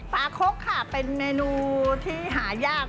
คกค่ะเป็นเมนูที่หายาก